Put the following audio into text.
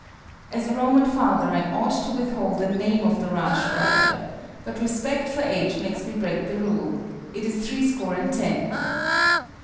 As a Roman father, I ought to withhold the name of the rash writer; but respect for age makes me break the rule: it is THREE SCORE AND TEN.